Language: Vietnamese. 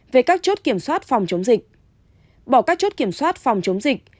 về các chốt kiểm soát phòng chống dịch bỏ các chốt kiểm soát phòng chống dịch